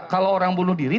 kalau orang bunuh diri